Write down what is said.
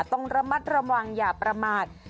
ต้องระมัดระวังอย่าประมาท